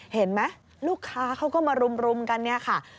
เห็นไหมลูกค้าเขาก็มารุมกันเนี่ยค่ะ